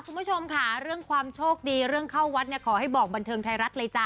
คุณผู้ชมค่ะเรื่องความโชคดีเรื่องเข้าวัดเนี่ยขอให้บอกบันเทิงไทยรัฐเลยจ้